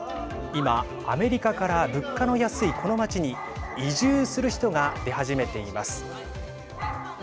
今、アメリカから物価の安いこの街に移住する人が出始めています。